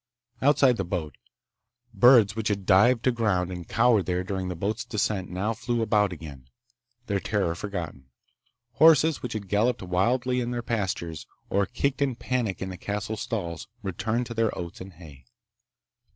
Outside the boat, birds which had dived to ground and cowered there during the boat's descent now flew about again, their terror forgotten. Horses which had galloped wildly in their pastures, or kicked in panic in the castle stalls, returned to their oats and hay.